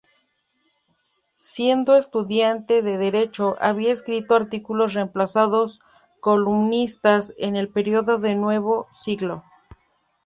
Siendo estudiante de Derecho, había escrito artículos reemplazando columnistas en el periódico El_Nuevo_Siglo.